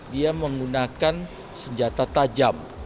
dia menggunakan senjata tajam